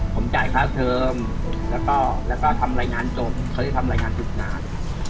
ผมจ่ายค่าเทอมแล้วก็ทำรายงานจบเขาจะทำรายงานทุกงาน